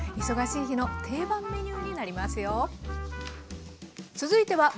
忙しい日の定番メニューになりますよ。